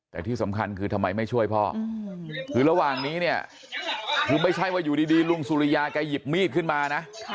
แต่ที่สำคัญคือทำไมไม่ช่วยพ่อคือระหว่างนี้เนี่ยคือไม่ใช่ว่าอยู่ดีลุงสุริยาแกหยิบมีดขึ้นมานะ